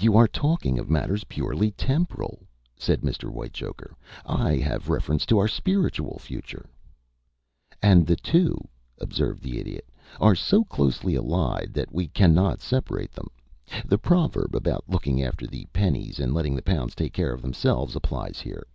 "You are talking of matters purely temporal," said Mr. Whitechoker. "I have reference to our spiritual future." "And the two," observed the Idiot, "are so closely allied that we cannot separate them. The proverb about looking after the pennies and letting the pounds take care of themselves applies here.